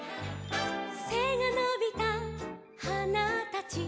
「せがのびたはなたち」